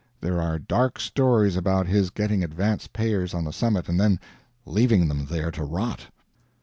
There are dark stories of his getting advance payers on the summit and then leaving them there to rot.